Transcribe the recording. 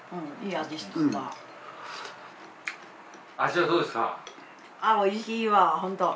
味はどうですか？